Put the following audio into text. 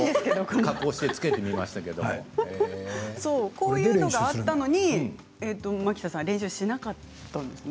こういうのがあったのに蒔田さんは練習しなかったんですね。